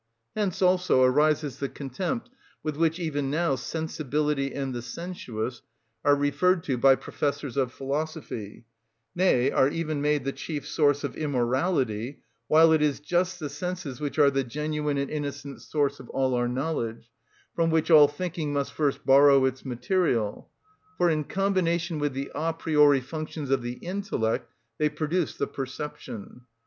Hence, also, arises the contempt with which even now "sensibility" and the "sensuous" are referred to by professors of philosophy, nay, are even made the chief source of immorality, while it is just the senses which are the genuine and innocent source of all our knowledge, from which all thinking must first borrow its material, for in combination with the a priori functions of the intellect they produce the perception.